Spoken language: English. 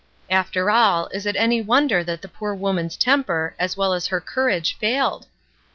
After all, is it any wonder that the poor woman's temper, as well as her courage, failed?